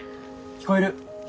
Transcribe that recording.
聞こえる？